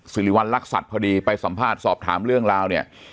สิริวัณรักษัตริย์พอดีไปสัมภาษณ์สอบถามเรื่องราวเนี่ย